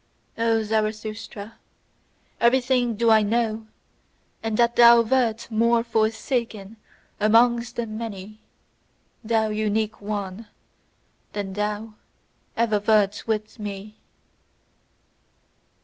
O Zarathustra, everything do I know; and that thou wert MORE FORSAKEN amongst the many, thou unique one, than thou ever wert with me!